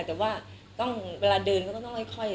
แต่ว่าเวลาเดินก็ต้องค่อย